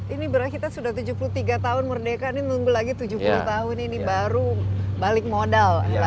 ini berarti kita sudah tujuh puluh tiga tahun merdeka ini nunggu lagi tujuh puluh tahun ini baru balik modal